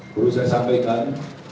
guru saya sampaikan